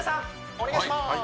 お願いします